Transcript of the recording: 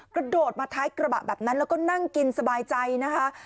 กระโดดมาท้ายกระบะแบบนั้นแล้วก็นั่งกินสบายใจนะคะ